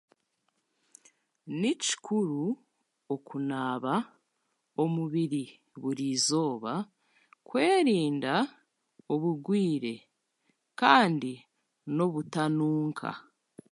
Ni kikuru okunaaba omubiiri burizooba kwerinda oburwiire kandi n'obutanuuka.